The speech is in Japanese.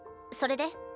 それで？